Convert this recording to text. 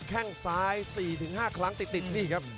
หมดยกที่๒ครับ